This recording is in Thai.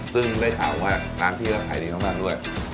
ซึ่งได้สาวว่าน้ำที่เขาใส่ดีมากด้วย